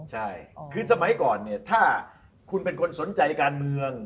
ใช่คือสมัยก่อนเนี่ยถ้าคุณเป็นคนสนใจการเมือง